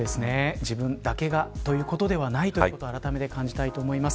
自分だけがということではないということをあらためて感じたと思います。